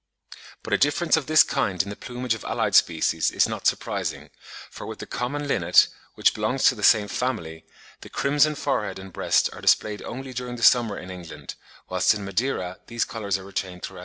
But a difference of this kind in the plumage of allied species is not surprising, for with the common linnet, which belongs to the same family, the crimson forehead and breast are displayed only during the summer in England, whilst in Madeira these colours are retained throughout the year.